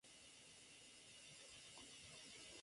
El estándar de competición en los Juegos fue variable.